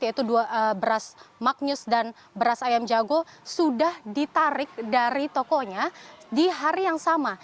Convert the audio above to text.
yaitu dua beras magnus dan beras ayam jago sudah ditarik dari tokonya di hari yang sama